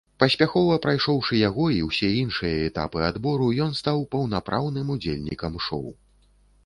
Паспяхова прайшоўшы яго, і ўсе іншыя этапы адбору, ён стаў паўнапраўным удзельнікам шоў.